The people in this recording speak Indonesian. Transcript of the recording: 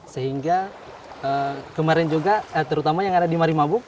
sehingga kemarin juga terutama yang ada di marimabuk